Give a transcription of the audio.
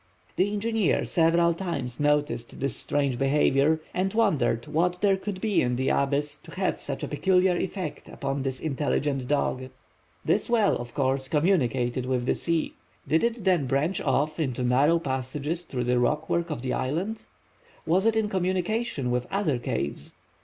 The engineer several times noticed this strange behavior, and wondered what there could be in the abyss to have such a peculiar effect upon this intelligent dog. This well, of course, communicated with the sea. Did it then branch off into narrow passages through the rock work of the island? Was it in communication with other caves?